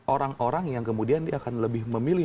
orang orang yang kemudian dia akan lebih memilih